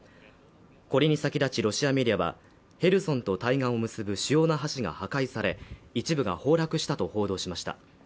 これに先立ちロシアメディアはヘルソンと対岸を結ぶ主要な橋が破壊され一部が崩落したと報道しました